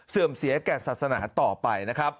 เสื่อมเสียแก่ศาสนาต่อไปนะครับ